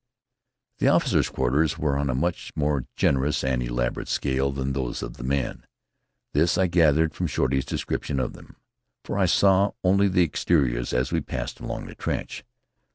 The officers' quarters were on a much more generous and elaborate scale than those of the men. This I gathered from Shorty's description of them, for I saw only the exteriors as we passed along the trench.